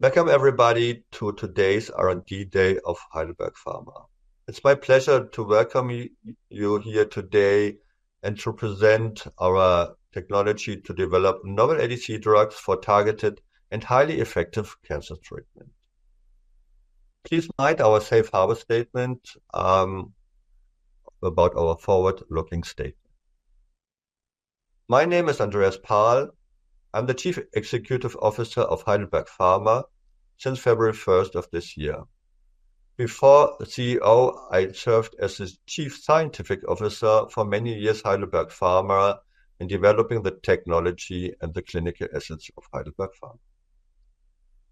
Welcome everybody to today's R&D Day of Heidelberg Pharma. It's my pleasure to welcome you here today and to present our technology to develop novel ADC drugs for targeted and highly effective cancer treatment. Please note our safe harbor statement about our forward-looking statements. My name is Andreas Pahl. I'm the Chief Executive Officer of Heidelberg Pharma since February 1st of this year. Before CEO, I served as the Chief Scientific Officer for many years at Heidelberg Pharma in developing the technology and the clinical assets of Heidelberg Pharma.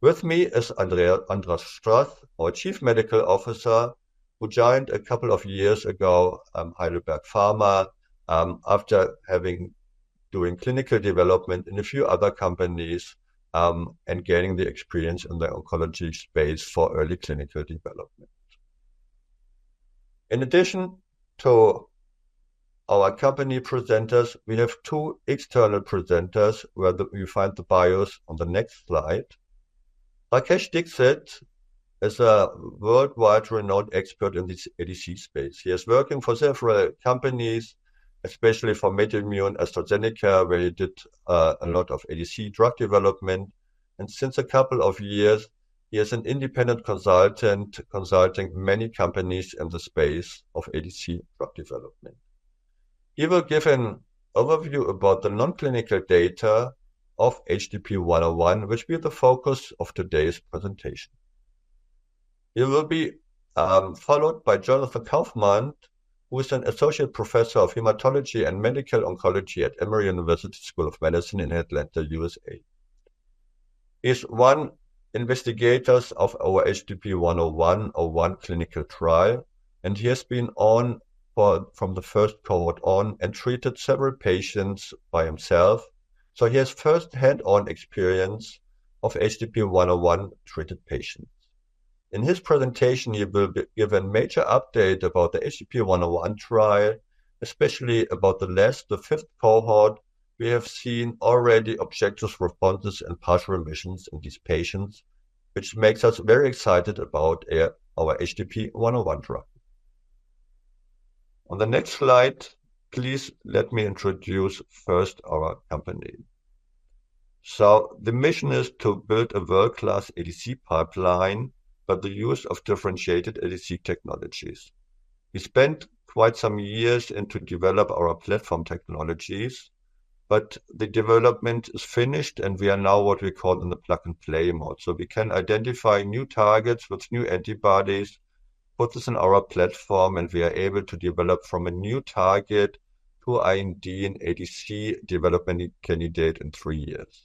With me is András Strassz, our Chief Medical Officer, who joined a couple of years ago at Heidelberg Pharma, after having done clinical development in a few other companies, and gaining experience in the oncology space for early clinical development. In addition to our company presenters, we have two external presenters where you find the bios on the next slide. Rakesh Dixit is a world-renowned expert in this ADC space. He has worked for several companies, especially for MedImmune, AstraZeneca, where he did a lot of ADC drug development. Since a couple of years, he is an independent consultant consulting many companies in the space of ADC drug development. He will give an overview about the non-clinical data of HDP-101, which will be the focus of today's presentation. He will be followed by Jonathan Kaufman, who is an Associate Professor of Hematology and Medical Oncology at Emory University School of Medicine in Atlanta, USA. He's one investigator of our HDP-101 clinical trial, and he has been on from the first cohort on and treated several patients by himself. So he has first-hand experience of HDP-101-treated patients. In his presentation, he will be give a major update about the HDP-101 trial, especially about the last, the fifth cohort. We have seen already objective responses and partial remissions in these patients, which makes us very excited about our HDP-101 drug. On the next slide, please let me introduce first our company. So the mission is to build a world-class ADC pipeline but the use of differentiated ADC technologies. We spent quite some years into develop our platform technologies, but the development is finished and we are now what we call in the plug-and-play mode. So we can identify new targets with new antibodies, put this in our platform, and we are able to develop from a new target to IND and ADC development candidate in three years.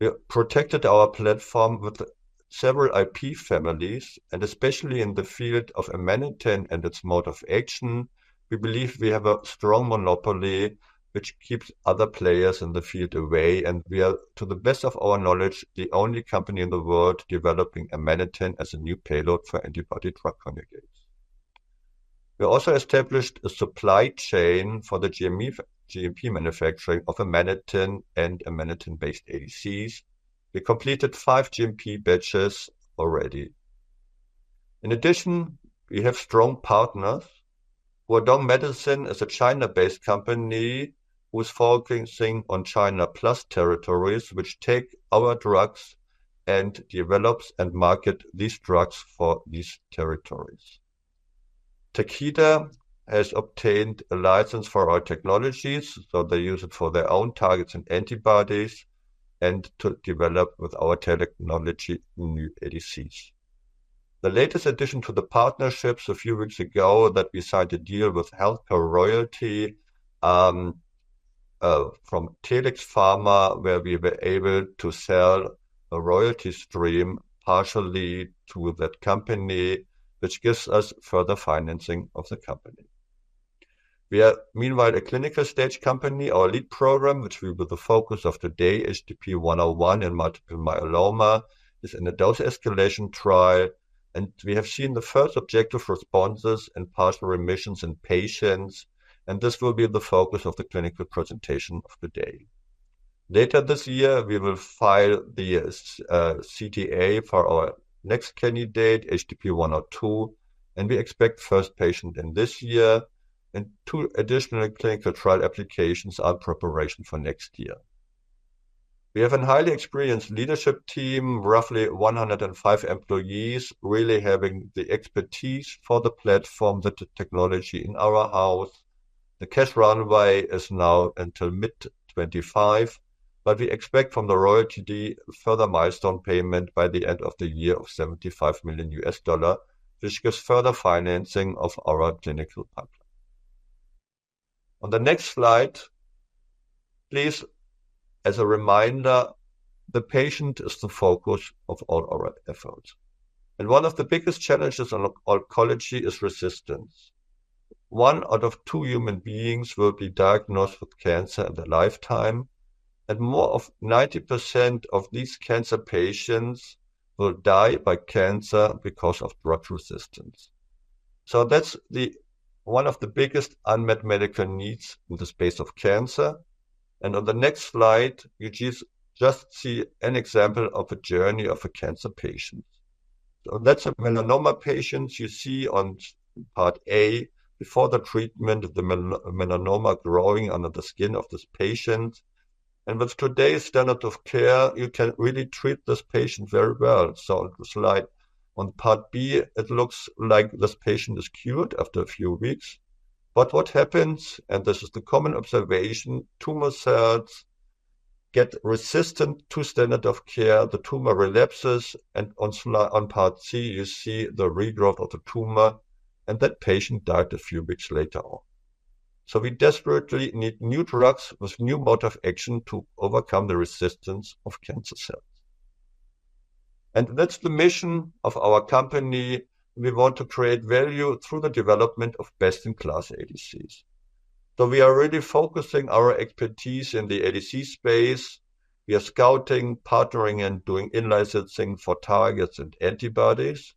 We protected our platform with several IP families, and especially in the field of Amanitin and its mode of action, we believe we have a strong monopoly which keeps other players in the field away. We are, to the best of our knowledge, the only company in the world developing Amanitin as a new payload for antibody-drug conjugates. We also established a supply chain for the GMP manufacturing of Amanitin and Amanitin-based ADCs. We completed 5 GMP batches already. In addition, we have strong partners. Huadong Medicine is a China-based company who is focusing on China Plus territories, which take our drugs and develops and market these drugs for these territories. Takeda has obtained a license for our technologies, so they use it for their own targets and antibodies and to develop with our technology new ADCs. The latest addition to the partnerships a few weeks ago that we signed a deal with HealthCare Royalty, from Telix Pharma, where we were able to sell a royalty stream partially to that company, which gives us further financing of the company. We are, meanwhile, a clinical stage company. Our lead program, which will be the focus of today, HDP-101 and multiple myeloma, is in a dose escalation trial. We have seen the first objective responses and partial remissions in patients, and this will be the focus of the clinical presentation of the day. Later this year, we will file the CTA for our next candidate, HDP-102, and we expect first patient in this year. Two additional clinical trial applications are in preparation for next year. We have a highly experienced leadership team, roughly 105 employees, really having the expertise for the platform, the technology in our house. The cash runway is now until mid-2025, but we expect from the royalty deed further milestone payment by the end of the year of $75 million, which gives further financing of our clinical pipeline. On the next slide, please, as a reminder, the patient is the focus of all our efforts. One of the biggest challenges in oncology is resistance. One out of two human beings will be diagnosed with cancer in their lifetime, and more than 90% of these cancer patients will die by cancer because of drug resistance. So that's one of the biggest unmet medical needs in the space of cancer. On the next slide, you just see an example of a journey of a cancer patient. So that's a melanoma patient you see on part A before the treatment of the melanoma growing under the skin of this patient. With today's standard of care, you can really treat this patient very well. The slide on part B, it looks like this patient is cured after a few weeks. But what happens, and this is the common observation, tumor cells get resistant to standard of care, the tumor relapses, and on slide on part C, you see the regrowth of the tumor, and that patient died a few weeks later on. We desperately need new drugs with new mode of action to overcome the resistance of cancer cells. That's the mission of our company. We want to create value through the development of best-in-class ADCs. We are really focusing our expertise in the ADC space. We are scouting, partnering, and doing in-licensing for targets and antibodies.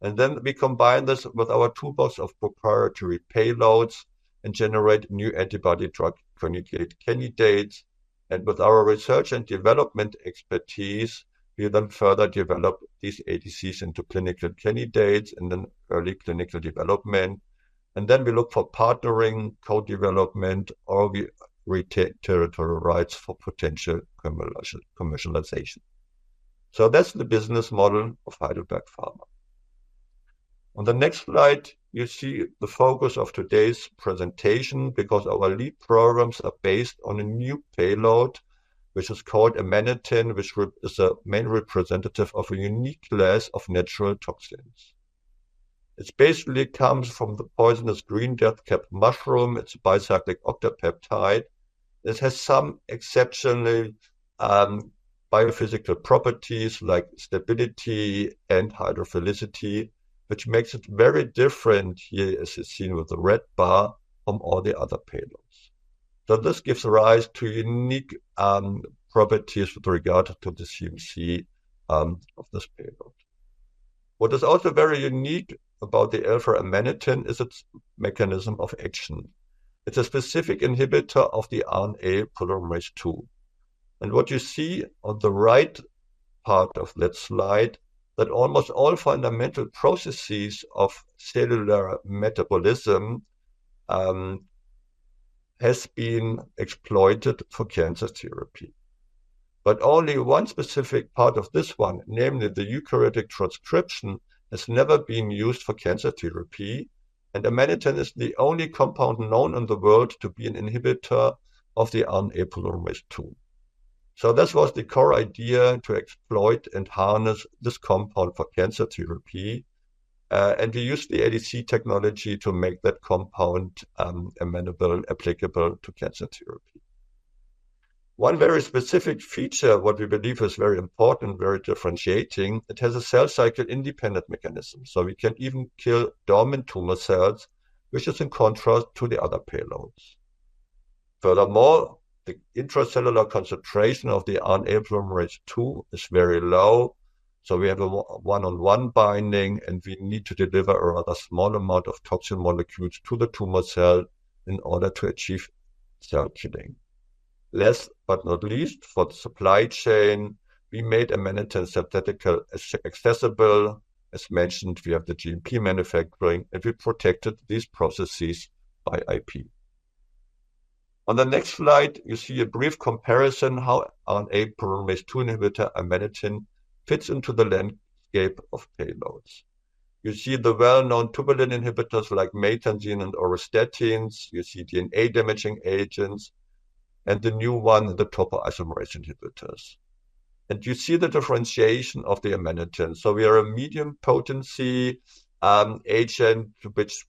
And then we combine this with our toolbox of proprietary payloads and generate new antibody-drug conjugate candidates. And with our research and development expertise, we then further develop these ADCs into clinical candidates in the early clinical development. Then we look for partnering, co-development, or we retain territorial rights for potential commercialization. That's the business model of Heidelberg Pharma. On the next slide, you see the focus of today's presentation because our lead programs are based on a new payload, which is called Amanitin, which is a main representative of a unique class of natural toxins. It basically comes from the poisonous green death cap mushroom. It's a bicyclic octopeptide. It has some exceptionally biophysical properties like stability and hydrophilicity, which makes it very different here, as you see with the red bar, from all the other payloads. So this gives rise to unique properties with regard to the CMC of this payload. What is also very unique about the Alpha-Amanitin is its mechanism of action. It's a specific inhibitor of the RNA polymerase II. What you see on the right part of that slide, that almost all fundamental processes of cellular metabolism, has been exploited for cancer therapy. But only one specific part of this one, namely the eukaryotic transcription, has never been used for cancer therapy. Amanitin is the only compound known in the world to be an inhibitor of the RNA polymerase II. So this was the core idea to exploit and harness this compound for cancer therapy. And we used the ADC technology to make that compound, amenable, applicable to cancer therapy. One very specific feature, what we believe is very important, very differentiating, it has a cell cycle independent mechanism. So we can even kill dormant tumor cells, which is in contrast to the other payloads. Furthermore, the intracellular concentration of the RNA polymerase II is very low. So we have a one-on-one binding, and we need to deliver a rather small amount of toxin molecules to the tumor cell in order to achieve cell killing. Last but not least, for the supply chain, we made Amanitin synthetically accessible. As mentioned, we have the GMP manufacturing, and we protected these processes by IP. On the next slide, you see a brief comparison how RNA polymerase II inhibitor Amanitin fits into the landscape of payloads. You see the well-known tubulin inhibitors like maytansine and auristatins. You see DNA damaging agents and the new one, the topoisomerase inhibitors. And you see the differentiation of the Amanitin. So we are a medium potency agent, which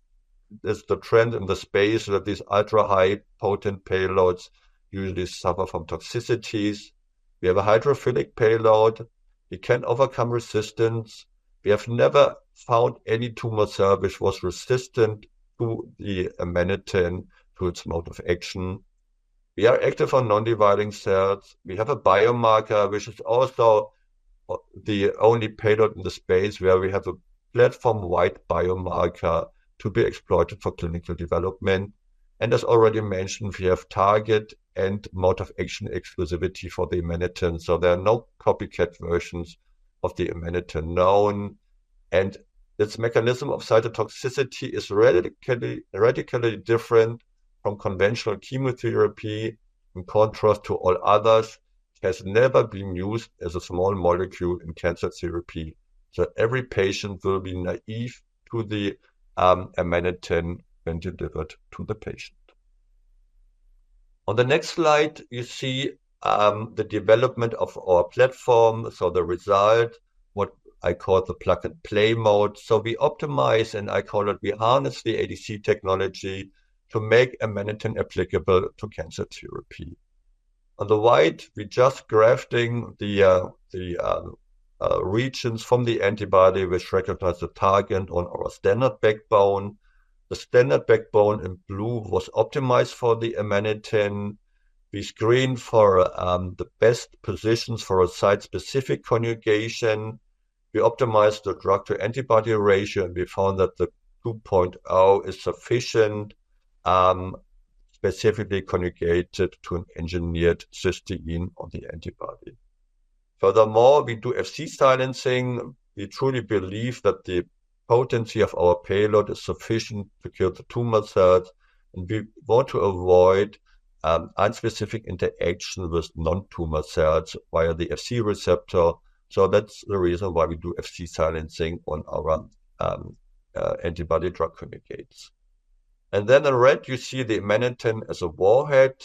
is the trend in the space that these ultra-high potent payloads usually suffer from toxicities. We have a hydrophilic payload. We can overcome resistance. We have never found any tumor cell which was resistant to the Amanitin, to its mode of action. We are active on non-dividing cells. We have a biomarker, which is also the only payload in the space where we have a platform-wide biomarker to be exploited for clinical development. And as already mentioned, we have target and mode of action exclusivity for the Amanitin. So there are no copycat versions of the Amanitin known. And its mechanism of cytotoxicity is radically, radically different from conventional chemotherapy. In contrast to all others, it has never been used as a small molecule in cancer therapy. So every patient will be naive to the Amanitin when delivered to the patient. On the next slide, you see the development of our platform. So the result, what I call the plug-and-play mode. So we optimize, and I call it, we harness the ADC technology to make Amanitin applicable to cancer therapy. On the right, we're just grafting the regions from the antibody which recognize the target on our standard backbone. The standard backbone in blue was optimized for the Amanitin. We screen for the best positions for a site-specific conjugation. We optimized the drug-to-antibody ratio, and we found that the 2.0 is sufficient, specifically conjugated to an engineered cysteine on the antibody. Furthermore, we do Fc silencing. We truly believe that the potency of our payload is sufficient to kill the tumor cells. And we want to avoid unspecific interaction with non-tumor cells via the Fc receptor. So that's the reason why we do Fc silencing on our antibody drug conjugates. And then in red, you see the Amanitin as a warhead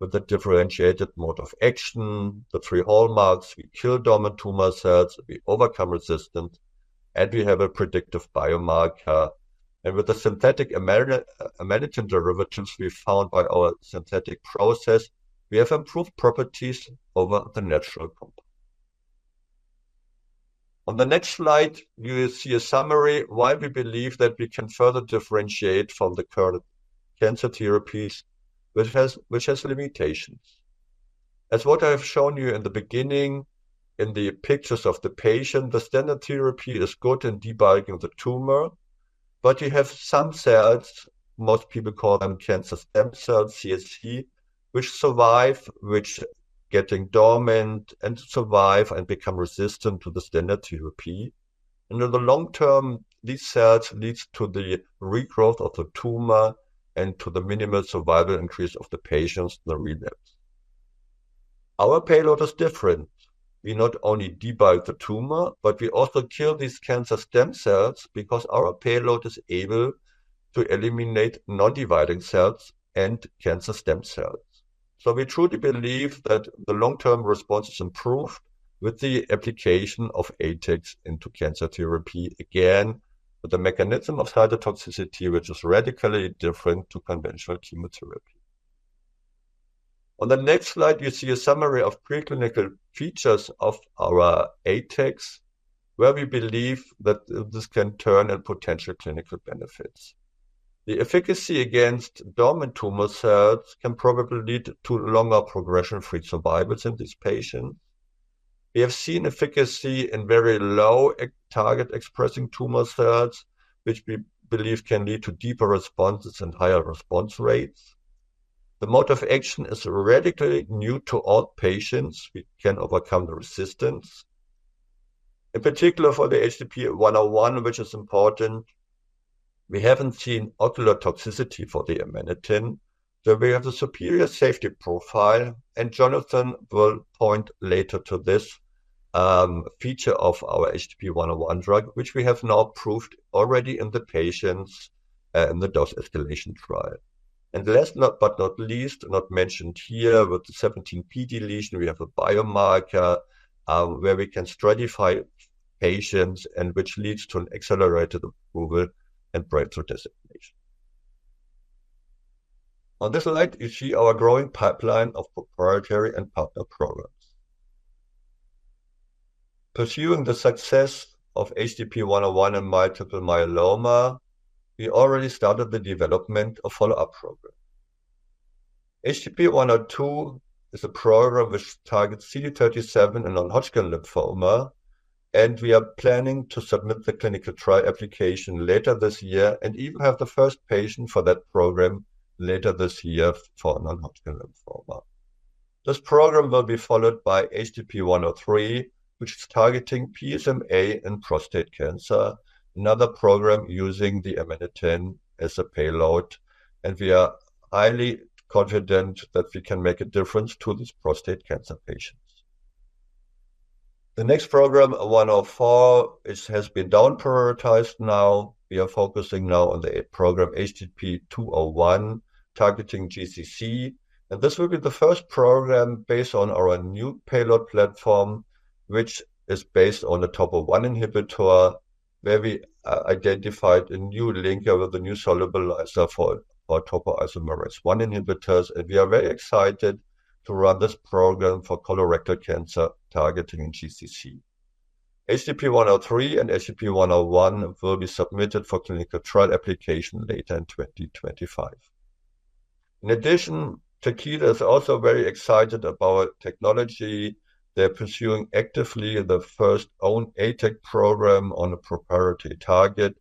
with a differentiated mode of action, the three hallmarks. We kill dormant tumor cells, we overcome resistance, and we have a predictive biomarker. And with the synthetic Amanitin derivatives we found by our synthetic process, we have improved properties over the natural compound. On the next slide, you will see a summary why we believe that we can further differentiate from the current cancer therapies, which has, which has limitations. As what I have shown you in the beginning, in the pictures of the patient, the standard therapy is good in debugging the tumor, but you have some cells, most people call them cancer stem cells, CSC, which survive, which are getting dormant, and survive and become resistant to the standard therapy. And in the long term, these cells lead to the regrowth of the tumor and to the minimal survival increase of the patients in the relapse. Our payload is different. We not only debulk the tumor, but we also kill these cancer stem cells because our payload is able to eliminate non-dividing cells and cancer stem cells. So we truly believe that the long-term response is improved with the application of ATAC into cancer therapy, again, with the mechanism of cytotoxicity, which is radically different from conventional chemotherapy. On the next slide, you see a summary of preclinical features of our ATAC, where we believe that this can turn in potential clinical benefits. The efficacy against dormant tumor cells can probably lead to longer progression-free survivals in these patients. We have seen efficacy in very low target-expressing tumor cells, which we believe can lead to deeper responses and higher response rates. The mode of action is radically new to all patients. We can overcome the resistance. In particular, for the HDP-101, which is important, we haven't seen ocular toxicity for the Amanitin. So we have a superior safety profile, and Jonathan will point later to this, feature of our HDP-101 drug, which we have now proved already in the patients, in the dose escalation trial. And last but not least, not mentioned here, with the 17p deletion, we have a biomarker, where we can stratify patients and which leads to an accelerated approval and breakthrough designation. On this slide, you see our growing pipeline of proprietary and partner programs. Pursuing the success of HDP-101 and multiple myeloma, we already started the development of follow-up programs. HDP-102 is a program which targets CD37 and non-Hodgkin lymphoma, and we are planning to submit the clinical trial application later this year and even have the first patient for that program later this year for non-Hodgkin lymphoma. This program will be followed by HDP-103, which is targeting PSMA and prostate cancer, another program using the Amanitin as a payload, and we are highly confident that we can make a difference to these prostate cancer patients. The next program, HDP-104, has been down-prioritized now. We are focusing now on the eighth program, HDP-201, targeting GCC. This will be the first program based on our new payload platform, which is based on a topo-1 inhibitor, where we identified a new linker with a new solubilizer for topoisomerase I inhibitors. We are very excited to run this program for colorectal cancer targeting GCC. HDP-103 and HDP-101 will be submitted for clinical trial application later in 2025. In addition, Takeda is also very excited about technology. They're pursuing actively the first own ATAC program on a proprietary target,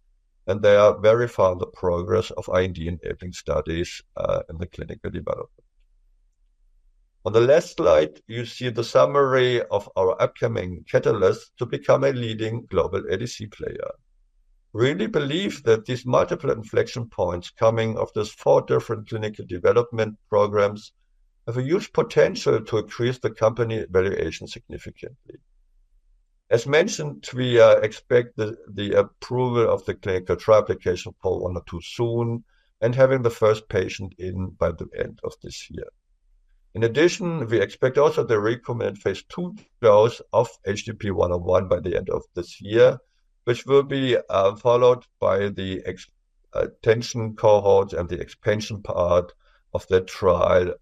and they are verifying the progress of IND-enabling studies in the clinical development. On the last slide, you see the summary of our upcoming catalyst to become a leading global ADC player. We really believe that these multiple inflection points coming from these four different clinical development programs have a huge potential to increase the company valuation significantly. As mentioned, we expect the approval of the clinical trial application for HDP-102 soon and having the first patient in by the end of this year. In addition, we expect also the recommended phase II dose of HDP-101 by the end of this year, which will be followed by the extension cohorts and the expansion part of the trial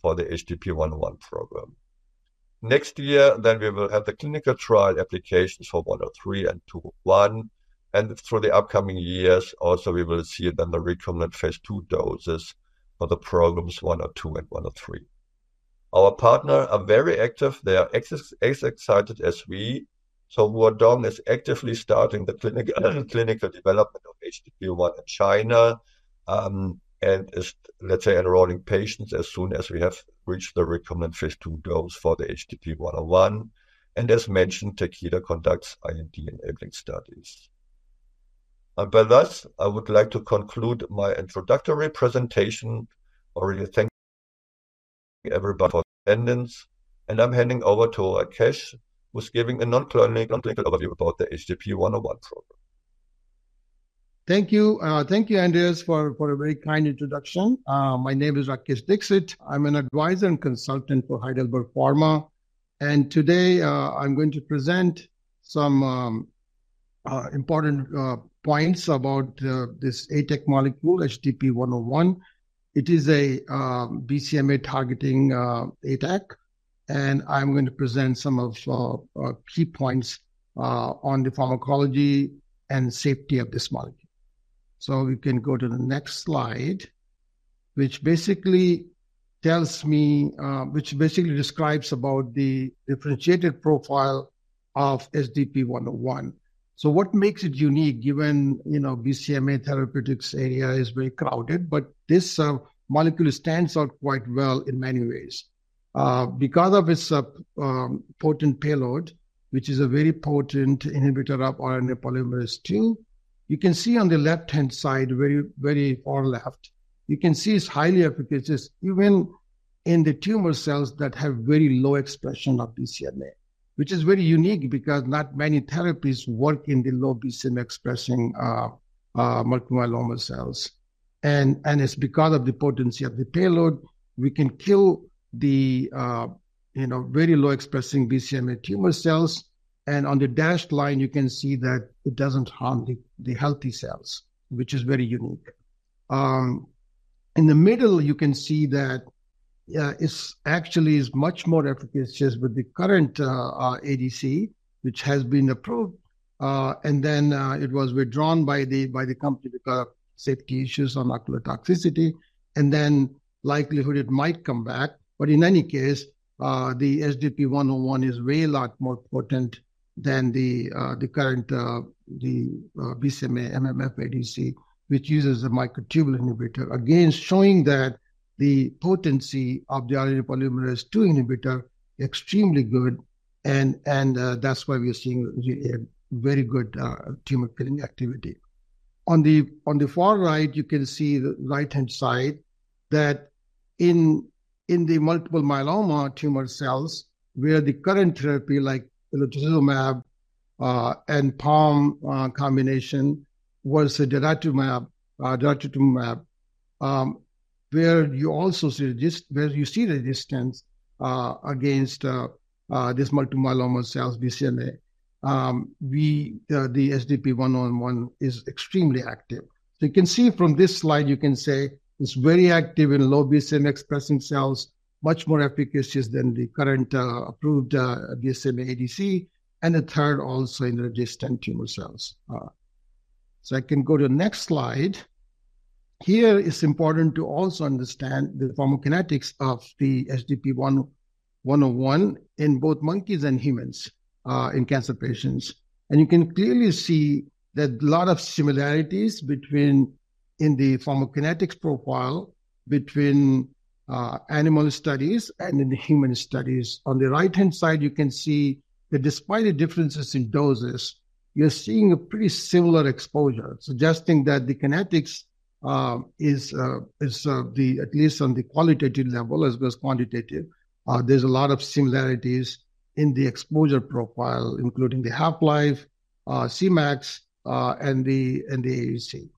for the HDP-101 program. Next year, then we will have the clinical trial applications for HDP-103 and HDP-201. Through the upcoming years, also we will see then the recommended phase II doses for the programs HDP-102 and HDP-103. Our partners are very active. They are as excited as we. So Huadong is actively starting the clinical development of HDP-101 in China, and is, let's say, enrolling patients as soon as we have reached the recommended phase II dose for the HDP-101. And as mentioned, Takeda conducts IND-enabling studies. And with this, I would like to conclude my introductory presentation. Already thank everybody for attendance. And I'm handing over to Rakesh, who's giving a non-clinical overview about the HDP-101 program. Thank you. Thank you, Andreas, for a very kind introduction. My name is Rakesh Dixit. I'm an Advisor and Consultant for Heidelberg Pharma. And today, I'm going to present some important points about this ATAC molecule, HDP-101. It is a BCMA-targeting ATAC. And I'm going to present some of the key points on the pharmacology and safety of this molecule. So we can go to the next slide, which basically tells me, which basically describes about the differentiated profile of HDP-101. So what makes it unique, given, you know, BCMA therapeutics area is very crowded, but this molecule stands out quite well in many ways. Because of its potent payload, which is a very potent inhibitor of RNA polymerase II, you can see on the left-hand side, very, very far left, you can see it's highly efficacious even in the tumor cells that have very low expression of BCMA, which is very unique because not many therapies work in the low BCMA-expressing marker myeloma cells. And it's because of the potency of the payload, we can kill the, you know, very low-expressing BCMA tumor cells. And on the dashed line, you can see that it doesn't harm the healthy cells, which is very unique. In the middle, you can see that it's actually much more efficacious with the current ADC, which has been approved. And then it was withdrawn by the company because of safety issues on ocular toxicity. And then likelihood it might come back. But in any case, the HDP-101 is way a lot more potent than the current BCMA MMAF ADC, which uses a microtubule inhibitor, again, showing that the potency of the RNA polymerase II inhibitor is extremely good. And that's why we are seeing very good tumor killing activity. On the far right, you can see the right-hand side that in the multiple myeloma tumor cells, where the current therapy, like elotuzumab and Pom combination, versus daratumumab, where you also see resistance, where you see resistance against these multiple myeloma cells, BCMA, the HDP-101 is extremely active. So you can see from this slide, you can say it's very active in low BCMA-expressing cells, much more efficacious than the current approved BCMA ADC. And the third also in resistant tumor cells. So I can go to the next slide. Here, it's important to also understand the pharmacokinetics of the HDP-101 in both monkeys and humans in cancer patients. You can clearly see that a lot of similarities between in the pharmacokinetics profile between animal studies and in the human studies. On the right-hand side, you can see that despite the differences in doses, you're seeing a pretty similar exposure, suggesting that the kinetics is, at least on the qualitative level as well as quantitative, there's a lot of similarities in the exposure profile, including the half-life, Cmax, and the ADC.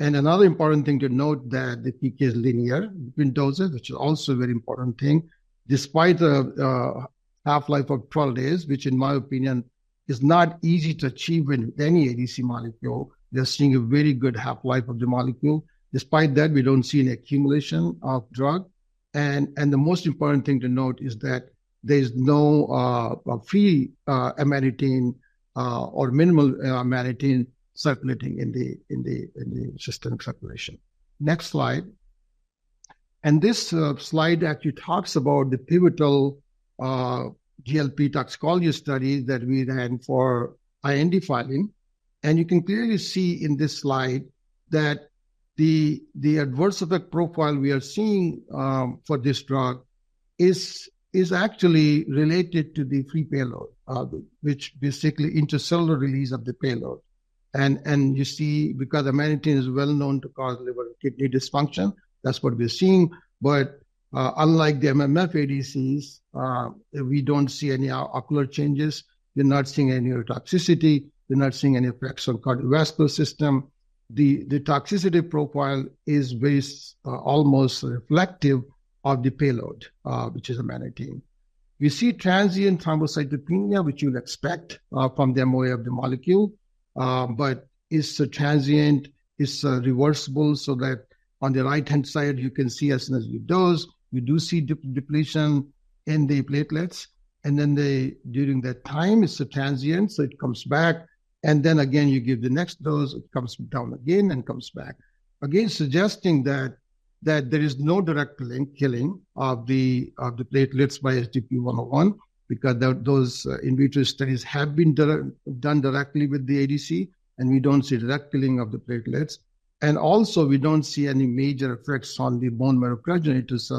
Another important thing to note is that the PK is linear between doses, which is also a very important thing. Despite the half-life of 12 days, which in my opinion is not easy to achieve with any ADC molecule, we are seeing a very good half-life of the molecule. Despite that, we don't see an accumulation of drug. The most important thing to note is that there is no free Amanitin or minimal Amanitin circulating in the systemic circulation. Next slide. This slide actually talks about the pivotal GLP toxicology study that we ran for IND filing. You can clearly see in this slide that the adverse effect profile we are seeing for this drug is actually related to the free payload, which basically intracellular release of the payload. You see because Amanitin is well known to cause liver and kidney dysfunction, that's what we're seeing. But unlike the MMAF ADCs, we don't see any ocular changes. We're not seeing any neurotoxicity. We're not seeing any effects on the cardiovascular system. The toxicity profile is almost reflective of the payload, which is Amanitin. We see transient thrombocytopenia, which you'll expect from the MOA of the molecule. But it's transient, it's reversible. So that on the right-hand side, you can see as soon as you dose, you do see depletion in the platelets. And then during that time, it's transient, so it comes back. And then again, you give the next dose, it comes down again and comes back. Again, suggesting that there is no direct killing of the platelets by HDP-101 because those in vitro studies have been done directly with the ADC, and we don't see direct killing of the platelets. And also, we don't see any major effects on the bone marrow progenitors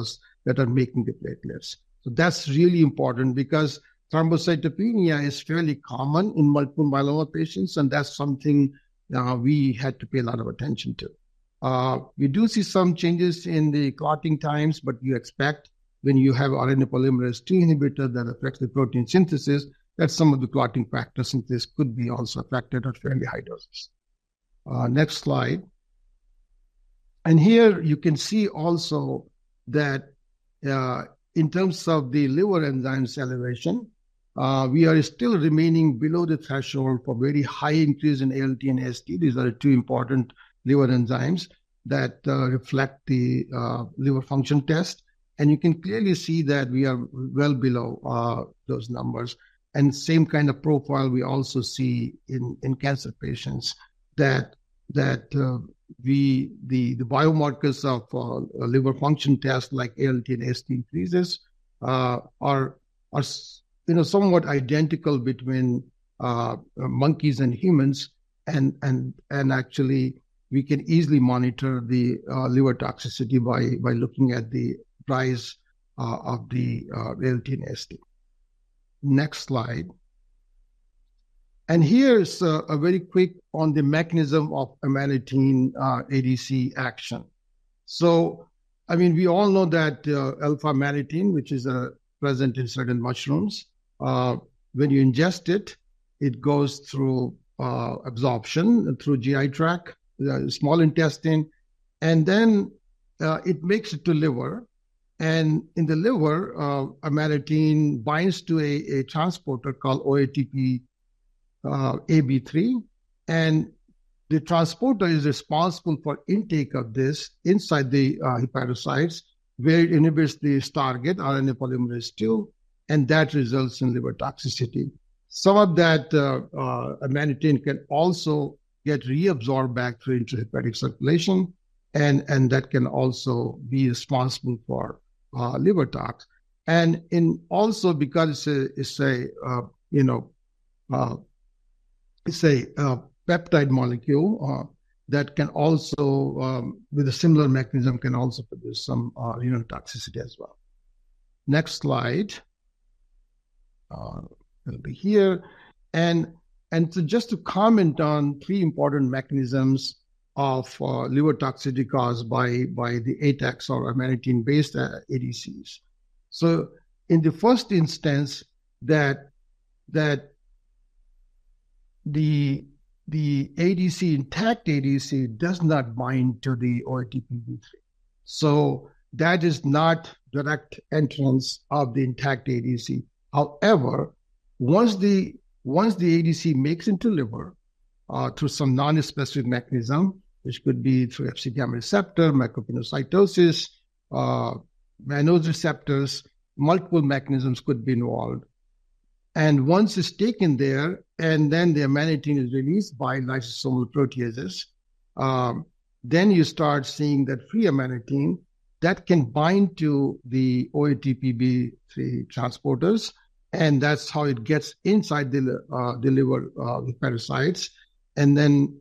that are making the platelets. So that's really important because thrombocytopenia is fairly common in multiple myeloma patients, and that's something we had to pay a lot of attention to. We do see some changes in the clotting times, but you expect when you have RNA polymerase II inhibitor that affects the protein synthesis, that some of the clotting factors in this could be also affected at fairly high doses. Next slide. Here you can see also that in terms of the liver enzyme elevation, we are still remaining below the threshold for a very high increase in ALT and AST. These are the two important liver enzymes that reflect the liver function test. You can clearly see that we are well below those numbers. Same kind of profile we also see in cancer patients that the biomarkers of liver function tests like ALT and AST increases are, you know, somewhat identical between monkeys and humans. Actually, we can easily monitor the liver toxicity by looking at the rise of the ALT and AST. Next slide. Here's a very quick on the mechanism of Amanitin ADC action. So, I mean, we all know that alpha-Amanitin, which is present in certain mushrooms, when you ingest it, it goes through absorption through GI tract, small intestine. And then it makes it to liver. And in the liver, Amanitin binds to a transporter called OATP1B3. And the transporter is responsible for intake of this inside the hepatocytes, where it inhibits this target, RNA polymerase II. And that results in liver toxicity. Some of that Amanitin can also get reabsorbed back through enterohepatic circulation. And that can also be responsible for liver tox. And also because it's a, you know, it's a peptide molecule that can also, with a similar mechanism, can also produce some renal toxicity as well. Next slide. It'll be here. And so just to comment on three important mechanisms of liver toxicity caused by the ATAC or Amanitin-based ADCs. So in the first instance, that the ADC, intact ADC, does not bind to the OATP1B3. So that is not direct entrance of the intact ADC. However, once the ADC makes into liver through some non-specific mechanism, which could be through Fcγ receptor, macropinocytosis, mannose receptors, multiple mechanisms could be involved. And once it's taken there, and then the Amanitin is released by lysosomal proteases, then you start seeing that free Amanitin that can bind to the OATP1B3 transporters. And that's how it gets inside the liver hepatocytes. And then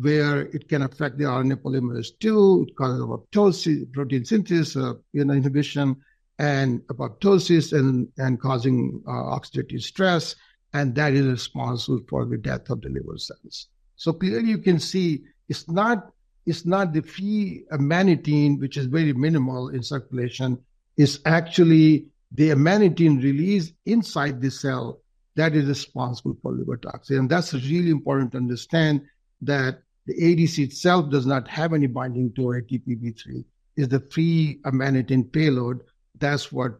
where it can affect the RNA polymerase II, it causes apoptosis, protein synthesis, inhibition, and apoptosis, and causing oxidative stress. And that is responsible for the death of the liver cells. So clearly you can see it's not the free Amanitin, which is very minimal in circulation, it's actually the Amanitin released inside the cell that is responsible for liver toxin. And that's really important to understand that the ADC itself does not have any binding to OATP1B3. It's the free Amanitin payload. That's what,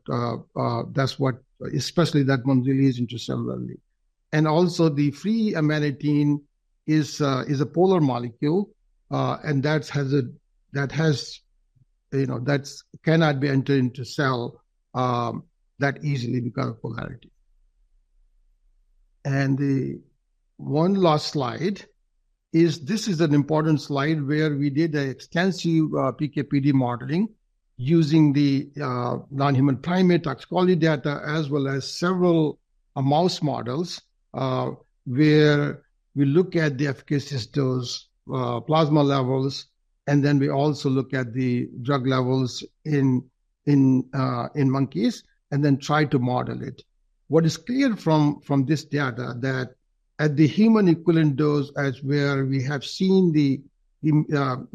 especially that one releases intracellularly. And also the free Amanitin is a polar molecule. And that has, you know, that cannot be entered into cell that easily because of polarity. And the one last slide is this is an important slide where we did an extensive PKPD modeling using the non-human primate toxicology data as well as several mouse models where we look at the efficacious dose, plasma levels, and then we also look at the drug levels in monkeys and then try to model it. What is clear from this data is that at the human equivalent dose, as where we have seen the, you know,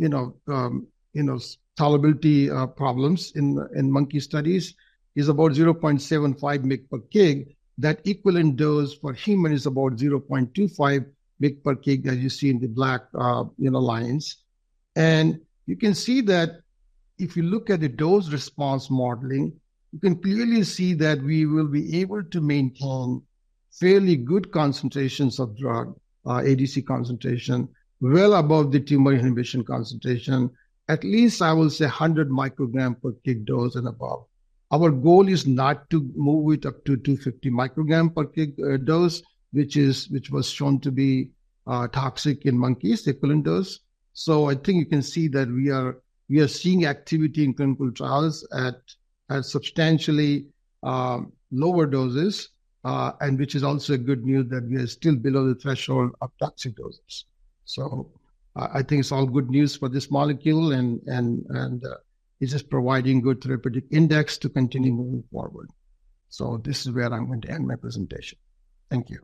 you know, tolerability problems in monkey studies, is about 0.75 mg/kg. That equivalent dose for human is about 0.25 mg/kg, as you see in the black lines. And you can see that if you look at the dose response modeling, you can clearly see that we will be able to maintain fairly good concentrations of drug, ADC concentration, well above the tumor inhibition concentration, at least I will say 100 micrograms per kg dose and above. Our goal is not to move it up to 250 micrograms per kg dose, which was shown to be toxic in monkeys equivalent dose. So I think you can see that we are seeing activity in clinical trials at substantially lower doses, and which is also good news that we are still below the threshold of toxic doses. So I think it's all good news for this molecule and it's just providing good therapeutic index to continue moving forward. So this is where I'm going to end my presentation. Thank you.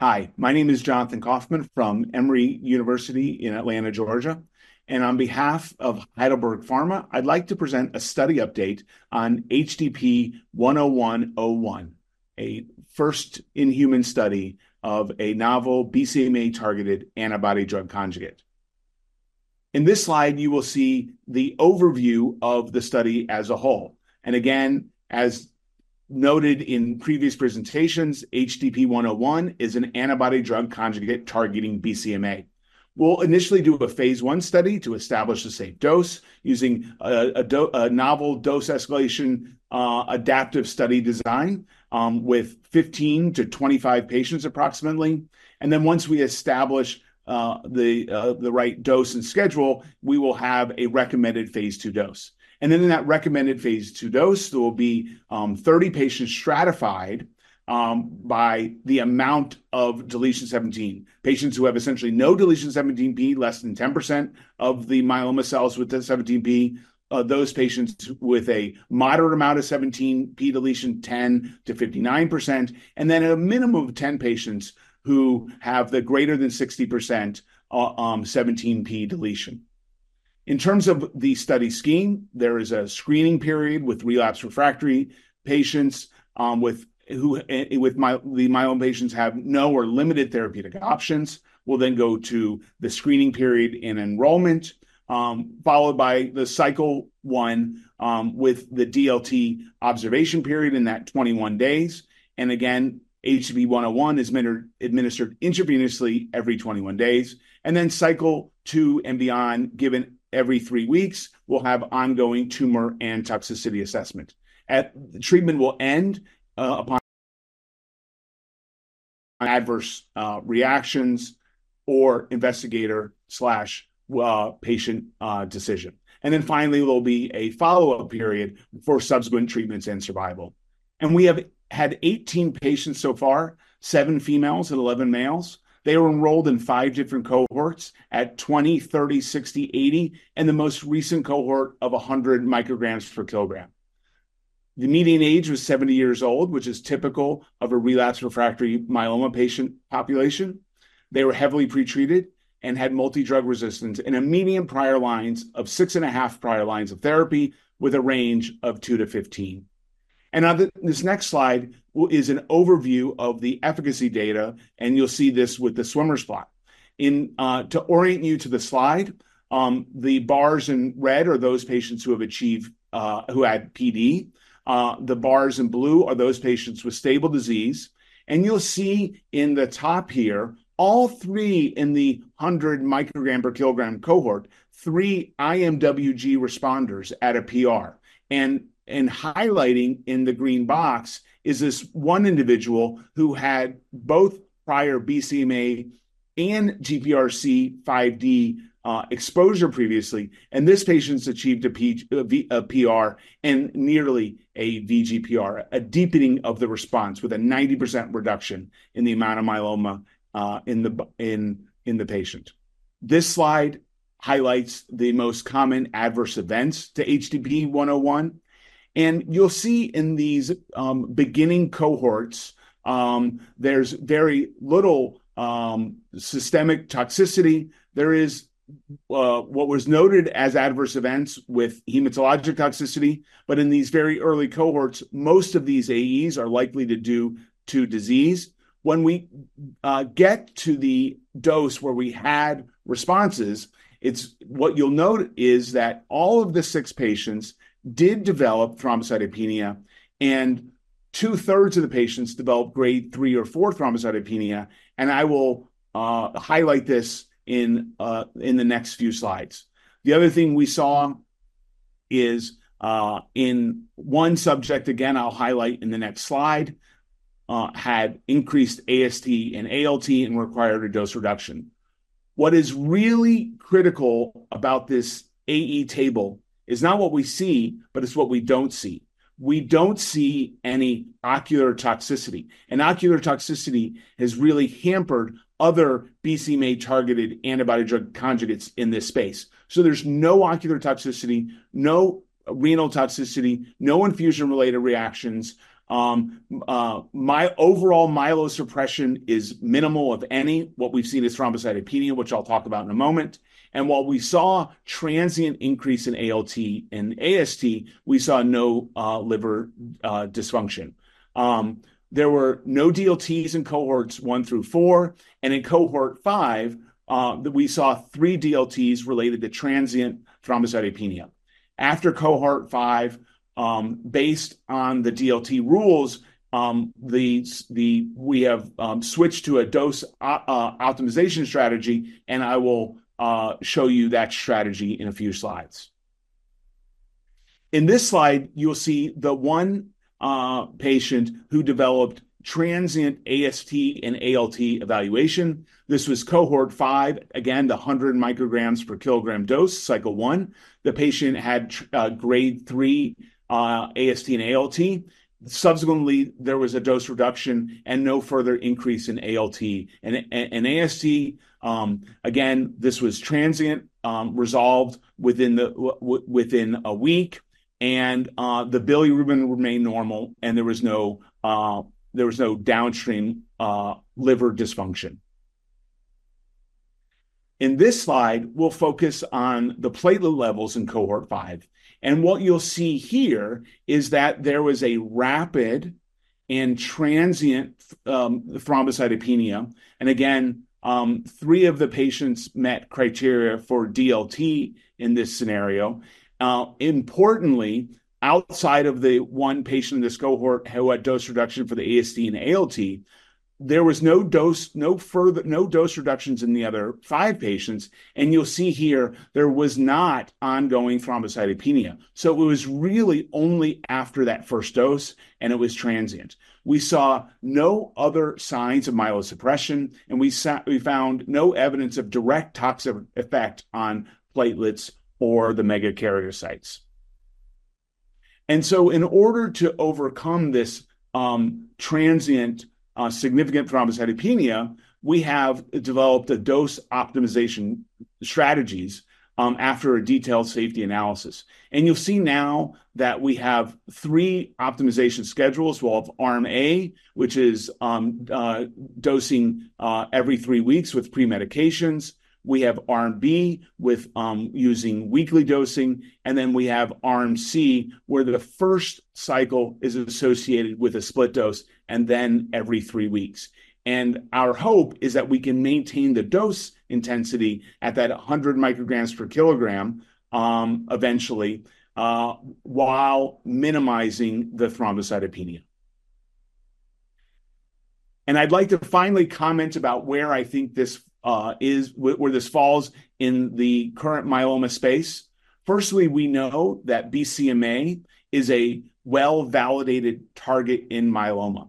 Hi, my name is Jonathan Kaufman from Emory University in Atlanta, Georgia. On behalf of Heidelberg Pharma, I'd like to present a study update on HDP-101, a first-in-human study of a novel BCMA-targeted antibody-drug conjugate. In this slide, you will see the overview of the study as a whole. Again, as noted in previous presentations, HDP-101 is an antibody-drug conjugate targeting BCMA. We'll initially do a phase I study to establish a safe dose using a novel dose escalation adaptive study design with 15-25 patients approximately. Then once we establish the right dose and schedule, we will have a recommended phase II dose. Then in that recommended phase II dose, there will be 30 patients stratified by the amount of 17p deletion, patients who have essentially no 17p deletion, less than 10% of the myeloma cells with the 17p. Those patients with a moderate amount of 17p deletion, 10%-59%. Then a minimum of 10 patients who have the greater than 60% 17p deletion. In terms of the study scheme, there is a screening period with relapsed refractory patients who have no or limited therapeutic options, will then go to the screening period in enrollment, followed by the cycle one with the DLT observation period in that 21 days. Again, HDP-101 is administered intravenously every 21 days. Then cycle two and beyond, given every three weeks, we'll have ongoing tumor and toxicity assessment. Treatment will end upon adverse reactions or investigator/patient decision. Finally, there'll be a follow-up period for subsequent treatments and survival. We have had 18 patients so far, seven females and 11 males. They were enrolled in five different cohorts at 20, 30, 60, 80, and the most recent cohort of 100 micrograms per kilogram. The median age was 70 years old, which is typical of a relapsed refractory myeloma patient population. They were heavily pretreated and had multi-drug resistance and a median prior lines of 6.5 prior lines of therapy with a range of two to 15. On this next slide is an overview of the efficacy data. You'll see this with the swimmer's plot. To orient you to the slide, the bars in red are those patients who have achieved, who had PD. The bars in blue are those patients with stable disease. You'll see in the top here, all three in the 100 microgram per kilogram cohort, three IMWG responders at a PR. Highlighting in the green box is this one individual who had both prior BCMA and GPRC5D exposure previously. This patient's achieved a PR and nearly a VGPR, a deepening of the response with a 90% reduction in the amount of myeloma in the patient. This slide highlights the most common adverse events to HDP-101. You'll see in these beginning cohorts, there's very little systemic toxicity. There is what was noted as adverse events with hematologic toxicity. In these very early cohorts, most of these AEs are likely due to disease. When we get to the dose where we had responses, what you'll note is that all of the six patients did develop thrombocytopenia. Two-thirds of the patients developed grade three or four thrombocytopenia. I will highlight this in the next few slides. The other thing we saw is in one subject, again, I'll highlight in the next slide, had increased AST and ALT and required a dose reduction. What is really critical about this AE table is not what we see, but it's what we don't see. We don't see any ocular toxicity. Ocular toxicity has really hampered other BCMA-targeted antibody-drug conjugates in this space. There's no ocular toxicity, no renal toxicity, no infusion-related reactions. My overall myelosuppression is minimal if any. What we've seen is thrombocytopenia, which I'll talk about in a moment. While we saw transient increase in ALT and AST, we saw no liver dysfunction. There were no DLTs in cohorts one through four. In cohort five, we saw three DLTs related to transient thrombocytopenia. After cohort five, based on the DLT rules, we have switched to a dose optimization strategy. I will show you that strategy in a few slides. In this slide, you'll see the one patient who developed transient AST and ALT elevation. This was cohort five, again, the 100 micrograms per kilogram dose, cycle one. The patient had grade three AST and ALT. Subsequently, there was a dose reduction and no further increase in ALT. AST, again, this was transient, resolved within a week. The bilirubin remained normal. There was no downstream liver dysfunction. In this slide, we'll focus on the platelet levels in cohort five. What you'll see here is that there was a rapid and transient thrombocytopenia. Again, three of the patients met criteria for DLT in this scenario. Importantly, outside of the one patient in this cohort who had dose reduction for the AST and ALT, there was no dose, no further, no dose reductions in the other five patients. You'll see here there was not ongoing thrombocytopenia. So it was really only after that first dose, and it was transient. We saw no other signs of myelosuppression. We found no evidence of direct toxic effect on platelets or the megakaryocytes. In order to overcome this transient significant thrombocytopenia, we have developed a dose optimization strategies after a detailed safety analysis. You'll see now that we have three optimization schedules. We'll have Arm A, which is dosing every three weeks with premedications. We have Arm B with using weekly dosing. Then we have Arm C, where the first cycle is associated with a split dose and then every three weeks. Our hope is that we can maintain the dose intensity at that 100 micrograms per kilogram eventually, while minimizing the thrombocytopenia. I'd like to finally comment about where I think this is, where this falls in the current myeloma space. Firstly, we know that BCMA is a well-validated target in myeloma.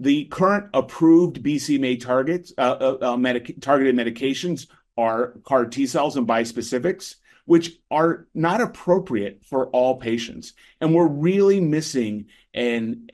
The current approved BCMA targeted medications are CAR T cells and bispecifics, which are not appropriate for all patients. We're really missing an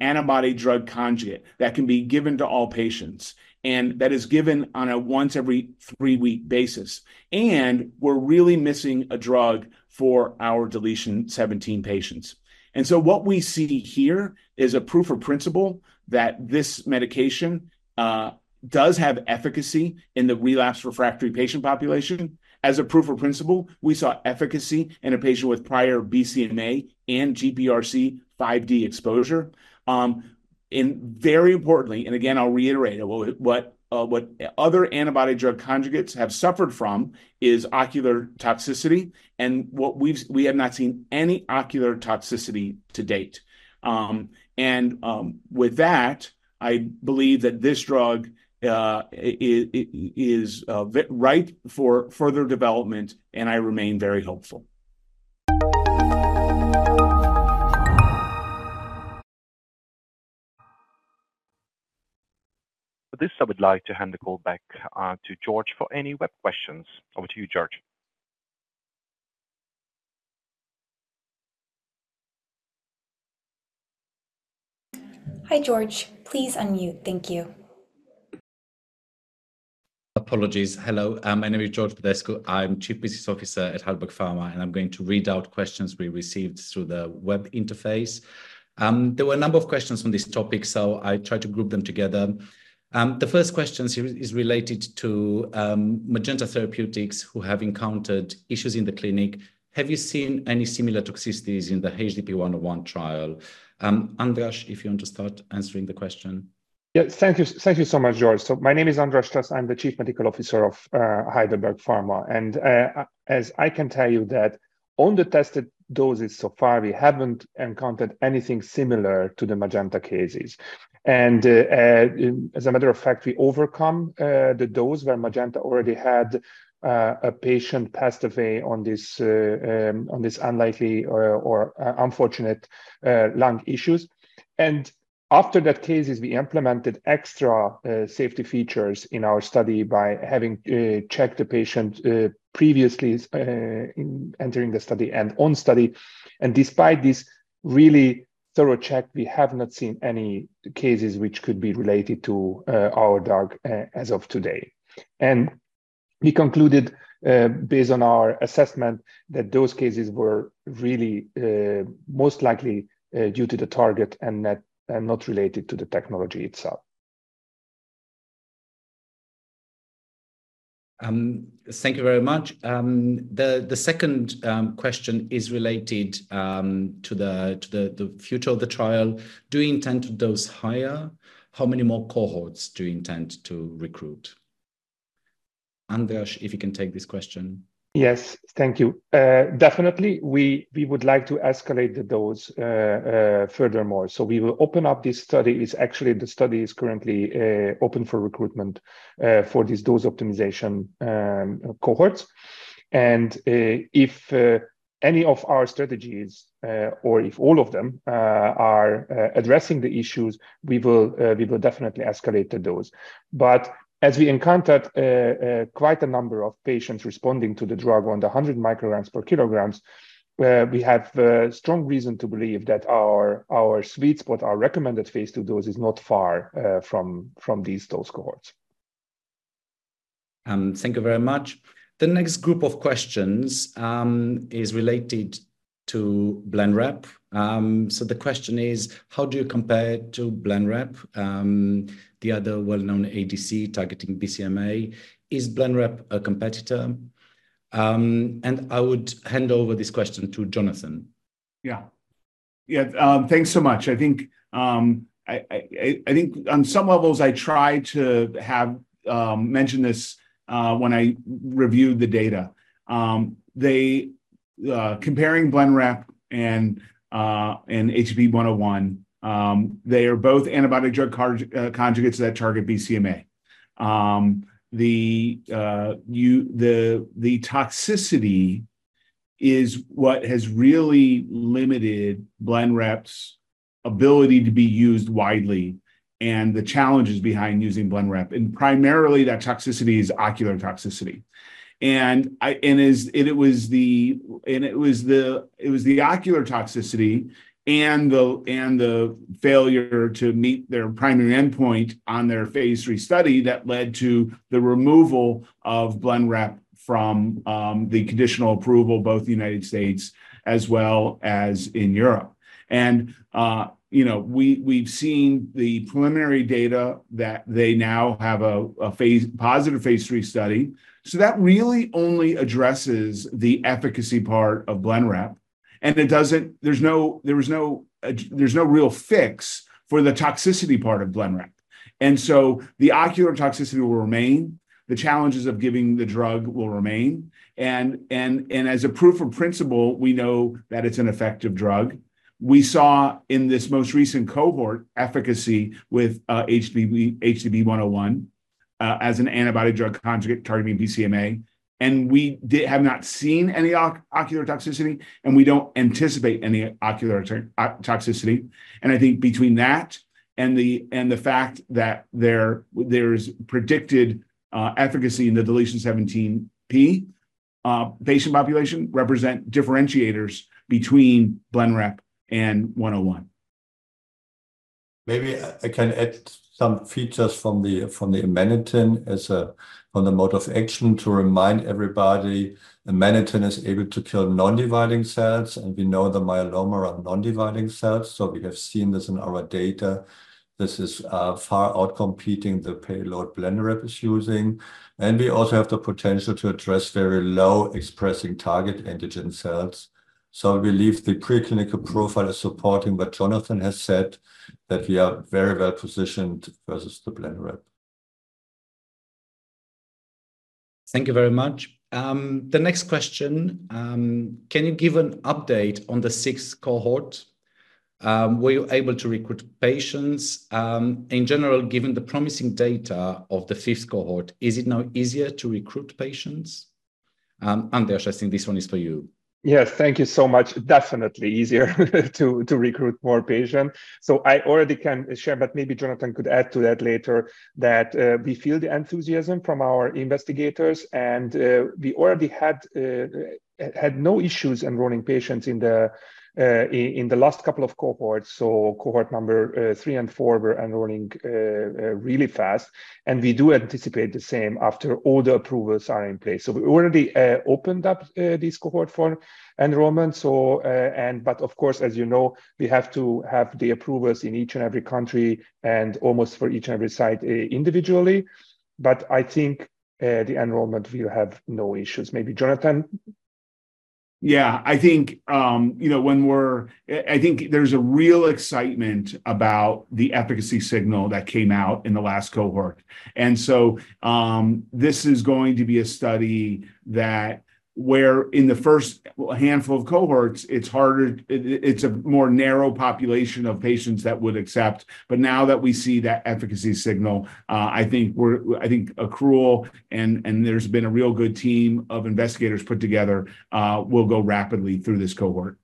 antibody-drug conjugate that can be given to all patients and that is given on a once-every-three-week basis. We're really missing a drug for our 17p deletion patients. So what we see here is a proof of principle that this medication does have efficacy in the relapse refractory patient population. As a proof of principle, we saw efficacy in a patient with prior BCMA and GPRC5D exposure. Very importantly, and again, I'll reiterate it, what other antibody-drug conjugates have suffered from is ocular toxicity. We have not seen any ocular toxicity to date. With that, I believe that this drug is right for further development. I remain very hopeful. For this, I would like to hand the call back to George for any web questions. Over to you, George. Hi, George. Please unmute. Thank you. Apologies. Hello. My name is George Badescu. I'm Chief Business Officer at Heidelberg Pharma. And I'm going to read out questions we received through the web interface. There were a number of questions on this topic, so I tried to group them together. The first question is related to Magenta Therapeutics who have encountered issues in the clinic. Have you seen any similar toxicities in the HDP-101 trial? András, if you want to start answering the question. Yeah, thank you so much, George. So my name is András Strassz. I'm the Chief Medical Officer of Heidelberg Pharma. And as I can tell you, on the tested doses so far, we haven't encountered anything similar to the Magenta cases. And as a matter of fact, we overcome the dose where Magenta already had a patient passed away on these unlikely or unfortunate lung issues. And after that cases, we implemented extra safety features in our study by having checked the patient previously entering the study and on study. And despite this really thorough check, we have not seen any cases which could be related to our drug as of today. And we concluded based on our assessment that those cases were really most likely due to the target and not related to the technology itself. Thank you very much. The second question is related to the future of the trial. Do you intend to dose higher? How many more cohorts do you intend to recruit? András, if you can take this question. Yes, thank you. Definitely, we would like to escalate the dose furthermore. We will open up this study. Actually, the study is currently open for recruitment for these dose optimization cohorts. If any of our strategies, or if all of them, are addressing the issues, we will definitely escalate the dose. As we encountered quite a number of patients responding to the drug on the 100 micrograms per kilogram, we have strong reason to believe that our sweet spot, our recommended phase II dose is not far from these dose cohorts. Thank you very much. The next group of questions is related to Blenrep. So the question is, how do you compare it to Blenrep, the other well-known ADC targeting BCMA? Is Blenrep a competitor? And I would hand over this question to Jonathan. Yeah. Yeah, thanks so much. I think on some levels, I tried to mention this when I reviewed the data. Comparing Blenrep and HDP-101, they are both antibody-drug conjugates that target BCMA. The toxicity is what has really limited Blenrep's ability to be used widely and the challenges behind using Blenrep. And primarily, that toxicity is ocular toxicity. And it was the ocular toxicity and the failure to meet their primary endpoint on their phase III study that led to the removal of Blenrep from the conditional approval, both the United States as well as in Europe. And we've seen the preliminary data that they now have a positive phase III study. So that really only addresses the efficacy part of Blenrep. And there's no real fix for the toxicity part of Blenrep. And so the ocular toxicity will remain. The challenges of giving the drug will remain. As a proof of principle, we know that it's an effective drug. We saw in this most recent cohort efficacy with HDP-101 as an antibody-drug conjugate targeting BCMA. We have not seen any ocular toxicity. We don't anticipate any ocular toxicity. I think between that and the fact that there's predicted efficacy in the 17p deletion patient population represent differentiators between Blenrep and 101. Maybe I can add some features from the Amanitin on the mode of action to remind everybody. Amanitin is able to kill non-dividing cells. We know the myeloma are non-dividing cells. We have seen this in our data. This is far outcompeting the payload Blenrep is using. We also have the potential to address very low-expressing target antigen cells. We believe the preclinical profile is supporting. Jonathan has said that we are very well positioned versus the Blenrep. Thank you very much. The next question, can you give an update on the sixth cohort? Were you able to recruit patients? In general, given the promising data of the fifth cohort, is it now easier to recruit patients? András, I think this one is for you. Yes, thank you so much. Definitely easier to recruit more patients. So I already can share, but maybe Jonathan could add to that later, that we feel the enthusiasm from our investigators. And we already had no issues enrolling patients in the last couple of cohorts. So cohort number three and four were enrolling really fast. And we do anticipate the same after all the approvals are in place. So we already opened up this cohort for enrollment. But of course, as you know, we have to have the approvals in each and every country and almost for each and every site individually. But I think the enrollment, we have no issues. Maybe Jonathan? Yeah, I think there's a real excitement about the efficacy signal that came out in the last cohort. And so this is going to be a study that where in the first handful of cohorts, it's a more narrow population of patients that would accept. But now that we see that efficacy signal, I think accrual and there's been a real good team of investigators put together will go rapidly through this cohort.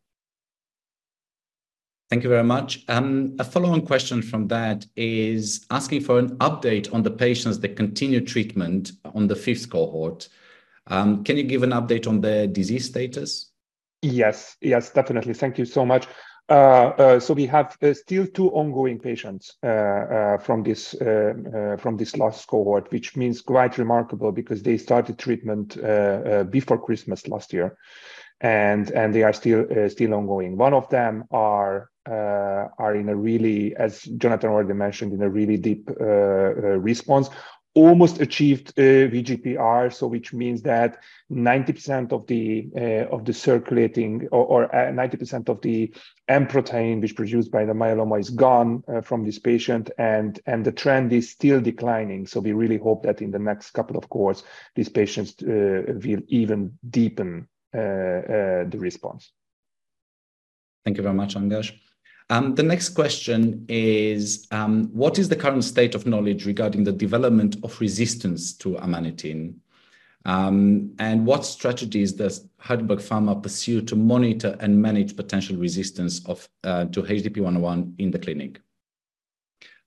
Thank you very much. A following question from that is asking for an update on the patients' continued treatment on the fifth cohort. Can you give an update on their disease status? Yes, yes, definitely. Thank you so much. So we have still two ongoing patients from this last cohort, which means quite remarkable because they started treatment before Christmas last year. And they are still ongoing. One of them are in a really, as Jonathan already mentioned, in a really deep response, almost achieved VGPR, which means that 90% of the circulating or 90% of the M-protein, which is produced by the myeloma, is gone from this patient. And the trend is still declining. So we really hope that in the next couple of cohorts, these patients will even deepen the response. Thank you very much, András. The next question is, what is the current state of knowledge regarding the development of resistance to Amanitin? And what strategies does Heidelberg Pharma pursue to monitor and manage potential resistance to HDP-101 in the clinic?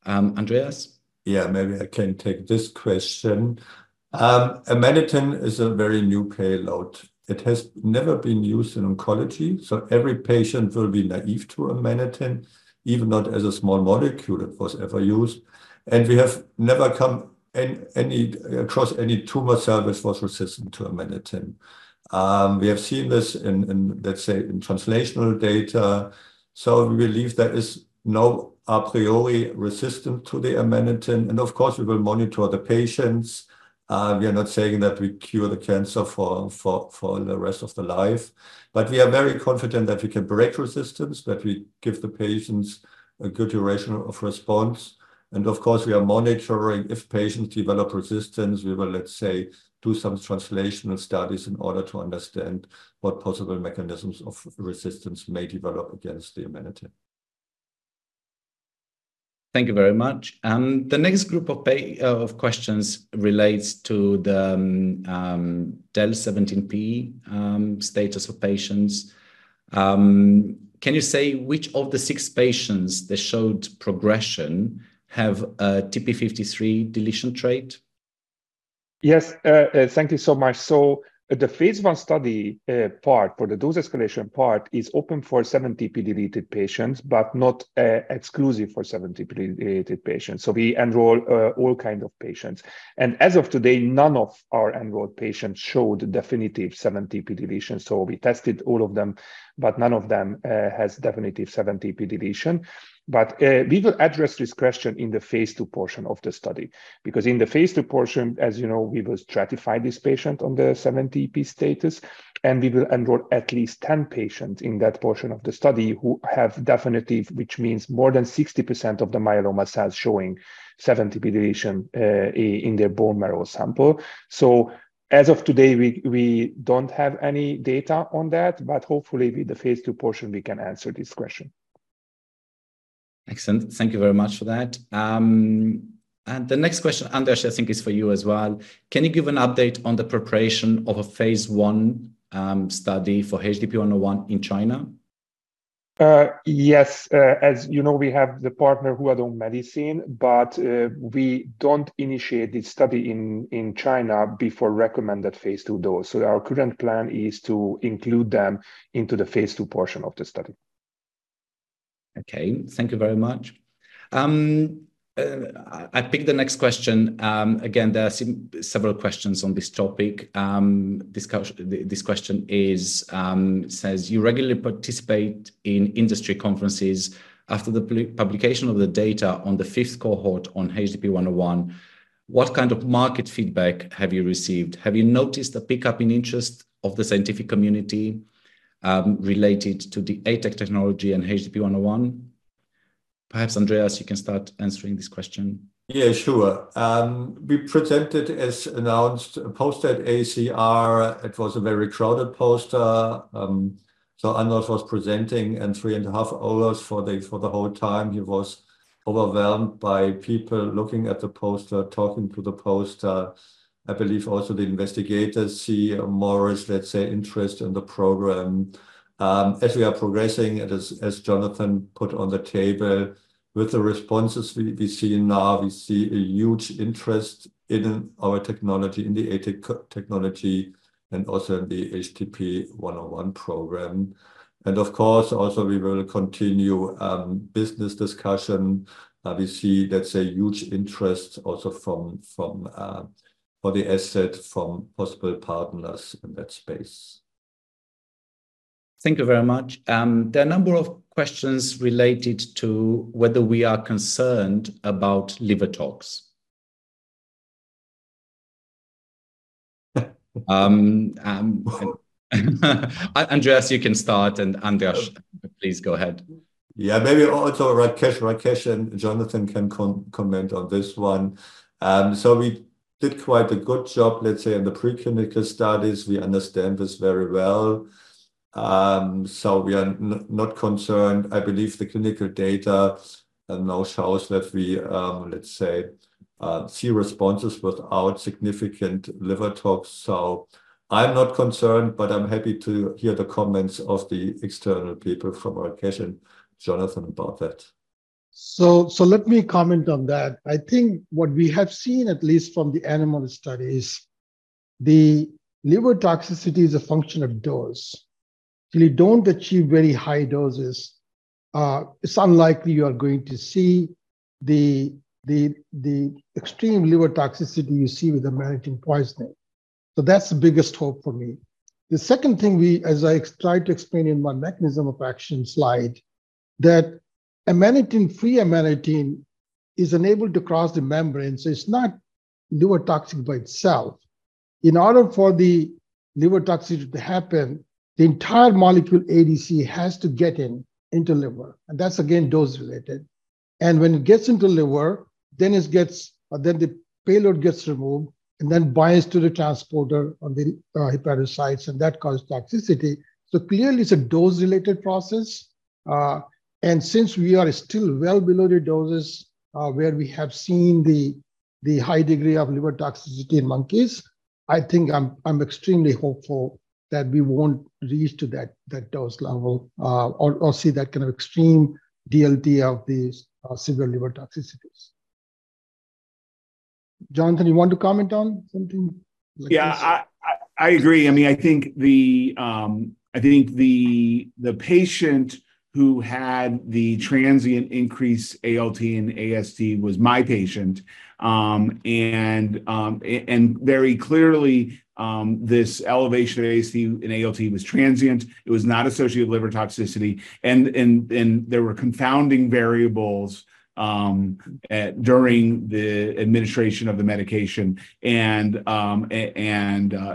Andreas? Yeah, maybe I can take this question. Amanitin is a very new payload. It has never been used in oncology. So every patient will be naive to Amanitin, even not as a small molecule it was ever used. And we have never come across any tumor cell that was resistant to Amanitin. We have seen this, let's say, in translational data. So we believe there is no a priori resistance to the Amanitin. And of course, we will monitor the patients. We are not saying that we cure the cancer for the rest of the life. But we are very confident that we can break resistance, that we give the patients a good duration of response. And of course, we are monitoring if patients develop resistance. We will, let's say, do some translational studies in order to understand what possible mechanisms of resistance may develop against the Amanitin. Thank you very much. The next group of questions relates to the del17p status of patients. Can you say which of the six patients that showed progression have a TP53 deletion trait? Yes, thank you so much. The phase I study part for the dose escalation part is open for 17p deleted patients, but not exclusive for 17p deleted patients. We enroll all kinds of patients. And as of today, none of our enrolled patients showed definitive 17p deletion. We tested all of them, but none of them has definitive 17p deletion. We will address this question in the phase II portion of the study because in the phase II portion, as you know, we will stratify this patient on the 17p status. And we will enroll at least 10 patients in that portion of the study who have definitive, which means more than 60% of the myeloma cells showing 17p deletion in their bone marrow sample. As of today, we don't have any data on that. Hopefully, with the phase II portion, we can answer this question. Excellent. Thank you very much for that. The next question, András, I think is for you as well. Can you give an update on the preparation of a phase I study for HDP-101 in China? Yes. As you know, we have the partner Huadong Medicine, but we don't initiate this study in China before recommended phase II dose. So our current plan is to include them into the phase II portion of the study. Okay, thank you very much. I picked the next question. Again, there are several questions on this topic. This question says, you regularly participate in industry conferences. After the publication of the data on the fifth cohort on HDP-101, what kind of market feedback have you received? Have you noticed a pickup in interest of the scientific community related to the ATAC technology and HDP-101? Perhaps, Andreas, you can start answering this question. Yeah, sure. We presented as announced a poster at AACR. It was a very crowded poster. So András was presenting and 3.5 hours for the whole time, he was overwhelmed by people looking at the poster, talking to the poster. I believe also the investigators see more, let's say, interest in the program. As we are progressing, as Jonathan put on the table, with the responses we see now, we see a huge interest in our technology, in the ATAC technology, and also in the HDP-101 program. And of course, also, we will continue business discussion. We see, let's say, huge interest also for the asset from possible partners in that space. Thank you very much. There are a number of questions related to whether we are concerned about liver toxins. Andreas, you can start. András, please go ahead. Yeah, maybe also Rakesh and Jonathan can comment on this one. So we did quite a good job, let's say, in the preclinical studies. We understand this very well. So we are not concerned. I believe the clinical data now shows that we, let's say, see responses without significant liver toxins. So I'm not concerned, but I'm happy to hear the comments of the external people from Rakesh and Jonathan about that. So let me comment on that. I think what we have seen, at least from the animal studies, the liver toxicity is a function of dose. If you don't achieve very high doses, it's unlikely you are going to see the extreme liver toxicity you see with Amanitin poisoning. So that's the biggest hope for me. The second thing we, as I tried to explain in my mechanism of action slide, that free Amanitin is unable to cross the membrane. So it's not liver toxic by itself. In order for the liver toxicity to happen, the entire molecule ADC has to get into liver. And that's, again, dose related. And when it gets into liver, then the payload gets removed and then binds to the transporter on the hepatocytes. And that causes toxicity. So clearly, it's a dose-related process. Since we are still well below the doses where we have seen the high degree of liver toxicity in monkeys, I think I'm extremely hopeful that we won't reach that dose level or see that kind of extreme DLT of these severe liver toxicities. Jonathan, you want to comment on something? Yeah, I agree. I mean, I think the patient who had the transient increase ALT and AST was my patient. And very clearly, this elevation of AST and ALT was transient. It was not associated with liver toxicity. And there were confounding variables during the administration of the medication. And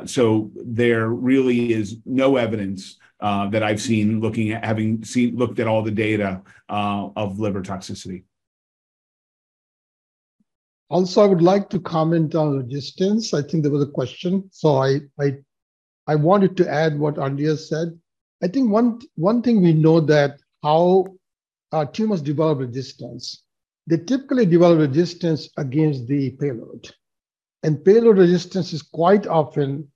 so there really is no evidence that I've seen, having looked at all the data of liver toxicity. Also, I would like to comment on resistance. I think there was a question. So I wanted to add what Andreas said. I think one thing we know that how tumors develop resistance, they typically develop resistance against the payload. And payload resistance is quite often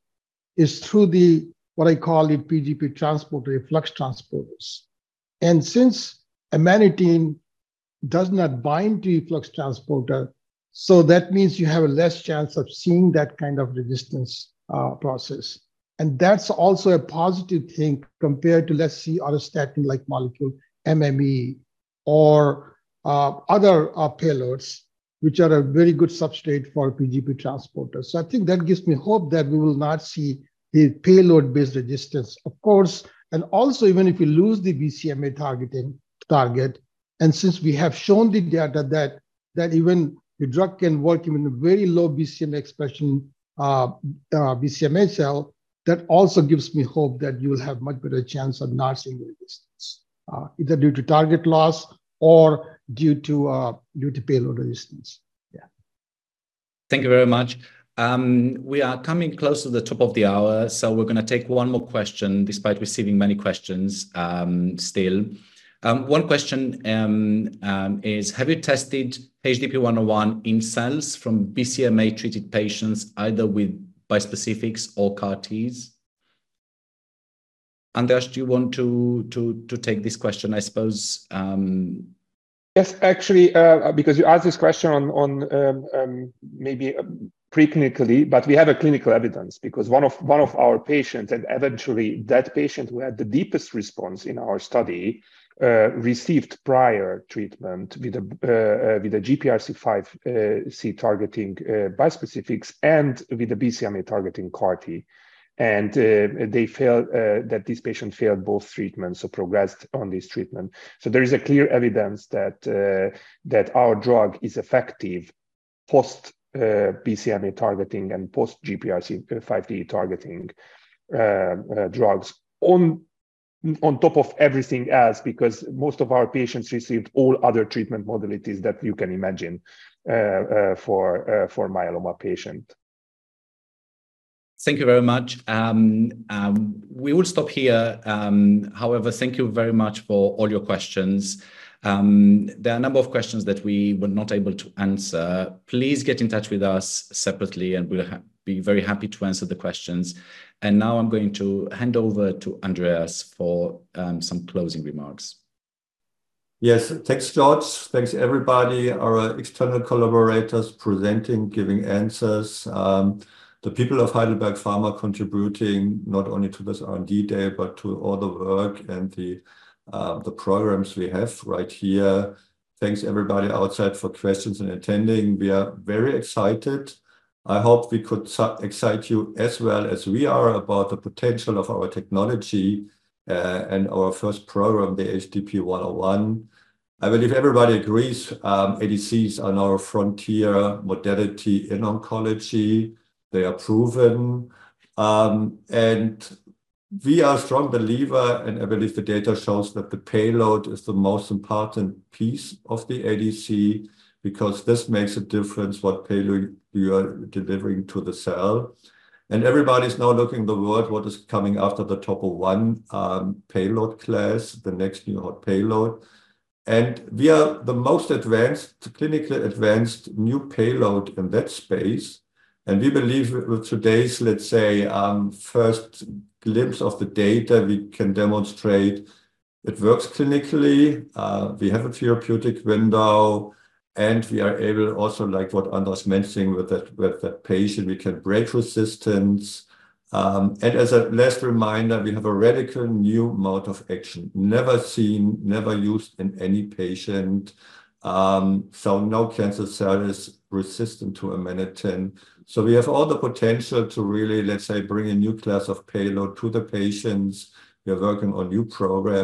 through what I call P-gp transporter, efflux transporters. And since Amanitin does not bind to efflux transporter, so that means you have a less chance of seeing that kind of resistance process. And that's also a positive thing compared to, let's see, other auristatin-like molecules, MMAE, or other payloads, which are a very good substrate for P-gp transporters. So I think that gives me hope that we will not see the payload-based resistance, of course. Also, even if we lose the BCMA target, and since we have shown the data that even the drug can work even in a very low BCMA expression BCMA cell, that also gives me hope that you will have much better chance of not seeing resistance, either due to target loss or due to payload resistance. Yeah. Thank you very much. We are coming close to the top of the hour. We're going to take one more question despite receiving many questions still. One question is, have you tested HDP-101 in cells from BCMA-treated patients, either with bispecifics or CAR-Ts? András, do you want to take this question, I suppose? Yes, actually, because you asked this question maybe preclinically, but we have clinical evidence because one of our patients and eventually that patient who had the deepest response in our study received prior treatment with the GPRC5D targeting bispecifics and with the BCMA targeting CAR-T. And that patient failed both treatments or progressed on this treatment. So there is clear evidence that our drug is effective post-BCMA targeting and post-GPRC5D targeting drugs on top of everything else because most of our patients received all other treatment modalities that you can imagine for myeloma patients. Thank you very much. We will stop here. However, thank you very much for all your questions. There are a number of questions that we were not able to answer. Please get in touch with us separately, and we'll be very happy to answer the questions. And now I'm going to hand over to Andreas for some closing remarks. Yes, thanks, George. Thanks, everybody, our external collaborators presenting, giving answers, the people of Heidelberg Pharma contributing not only to this R&D Day, but to all the work and the programs we have right here. Thanks, everybody outside for questions and attending. We are very excited. I hope we could excite you as well as we are about the potential of our technology and our first program, the HDP-101. I believe everybody agrees ADCs are now a frontier modality in oncology. They are proven. We are a strong believer, and I believe the data shows that the payload is the most important piece of the ADC because this makes a difference what payload you are delivering to the cell. Everybody is now looking in the world what is coming after the Topo I payload class, the next new hot payload. We are the most advanced, clinically advanced new payload in that space. We believe with today's, let's say, first glimpse of the data, we can demonstrate it works clinically. We have a therapeutic window. We are able also, like what András was mentioning with that patient, we can break resistance. As a last reminder, we have a radical new mode of action, never seen, never used in any patient. So no cancer cell is resistant to Amanitin. So we have all the potential to really, let's say, bring a new class of payload to the patients. We are working on a new program.